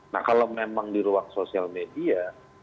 nah kalau memang di ruang sosial media